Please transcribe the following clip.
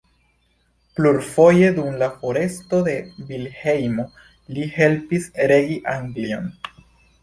Plurfoje dum la foresto de Vilhelmo li helpis regi Anglion.